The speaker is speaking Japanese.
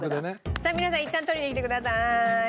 さあ皆さんいったん取りに来てください。